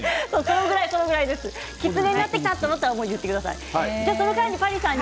きつねになってきたと思ったら言ってください。